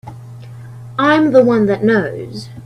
I'm the one that knows.